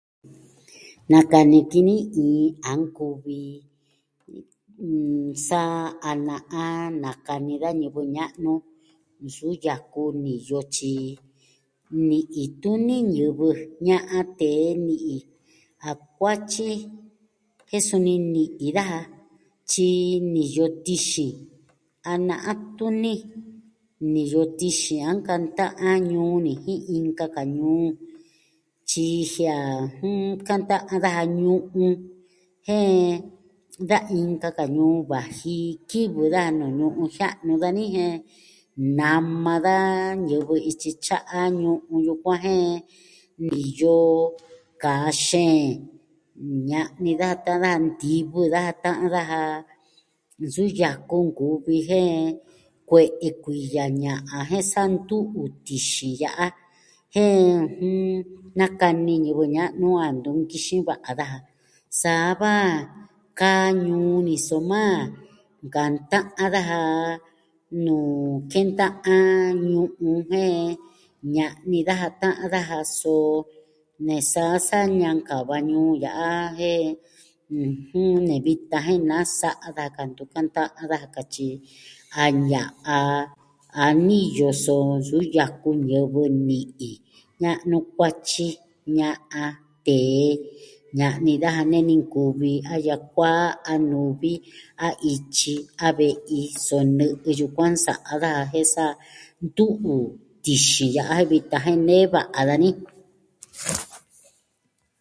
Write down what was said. Nakani ki ni iin a nkuvi, sa a na'a nakani da ñivɨ ña'nu, nsu yaku niyo tyi ni'i tuni ñivɨ ña'an tee ni'i, a kuatyi, jen suni ni'i daja. Tyi niyo tixin, a na'an tuni niyo tixin a nkanta'an ñuu ni jin inka ka ñuu. Tyi jie'e a kanta'an daja ñu'un. Jen da inka ka ñuu vaji kivɨ daja nuu ñu'un jia'nu dani jen nama da ñivɨ ityi tya'a ñu'un yukuan jen niyo kaa xeen, ña'ni daja ta'an daja, ntivɨ daja ta'an daja, Nsu yaku nkuvi jen kue'e kuitya jen sa ntu'u tixin ya'a, jen nakani ñivɨ ña'nu a ntuvi nkixin va'a daja. Saa va kaa ñuu ni, soma kanta'an daja nuu kenta'an ñu'un jen, ña'ni daja ta'an daja, so ne saa sa ñankava ñuu ya'a, jen ne vitan jen nasa'a daja ka ntu kanta'an daja ka tyi a ña'an, a niyo so nsu yaku ñivɨ ni'i. Ña'nu, kuatyi, ña'an, tee, ña'ni daja nee ni nkuvi a yakuaa a nuvi, a ityi, a ve'i, so nɨ'ɨ yukuan nsa'a daja jen sa ntu'u tixin ya'a jen vitan jen nee va'a dani.